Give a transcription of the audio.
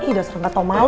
ih dasar gak tau malu lo